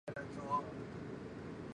李圭至死大骂不绝。